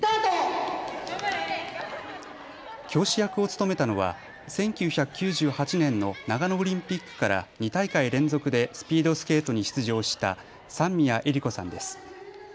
教師役を務めたのは１９９８年の長野オリンピックから２大会連続でスピードスケートに出場した三宮恵利子さんです。